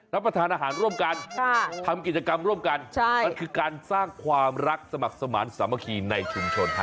รับประทานอาหารร่วมกันทำกิจกรรมร่วมกันมันคือการสร้างความรักสมัครสมาธิสามัคคีในชุมชนฮะ